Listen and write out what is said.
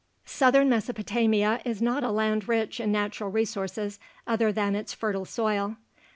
Southern Mesopotamia is not a land rich in natural resources other than its fertile soil.